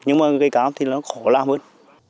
nhưng mà cây cám thì nó khó làm hơn